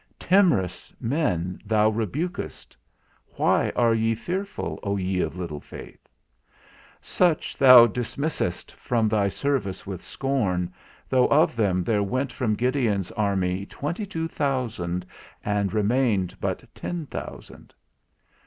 Timorous men thou rebukest: Why are ye fearful, O ye of little faith? Such thou dismissest from thy service with scorn, though of them there went from Gideon's army twenty two thousand, and remained but ten thousand.